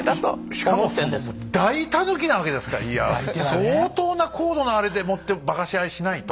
相当な高度なあれでもって化かし合いしないと。